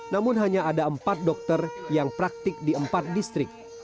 namun hanya ada empat dokter yang praktik di empat distrik